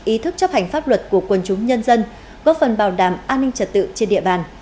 ý thức chấp hành pháp luật của quân chúng nhân dân góp phần bảo đảm an ninh trật tự trên địa bàn